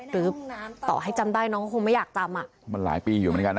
หรือต่อให้จำได้น้องก็คงไม่อยากจำอ่ะมันหลายปีอยู่เหมือนกันนะ